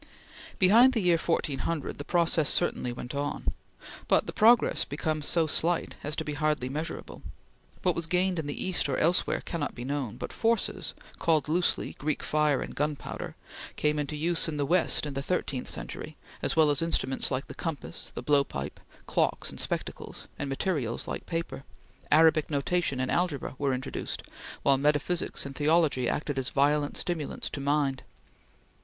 Behind the year 1400, the process certainly went on, but the progress became so slight as to be hardly measurable. What was gained in the east or elsewhere, cannot be known; but forces, called loosely Greek fire and gunpowder, came into use in the west in the thirteenth century, as well as instruments like the compass, the blow pipe, clocks and spectacles, and materials like paper; Arabic notation and algebra were introduced, while metaphysics and theology acted as violent stimulants to mind.